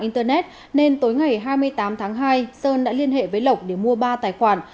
tối ngày hai mươi tám tháng hai sơn đã liên hệ với lộc để mua ba tài khoản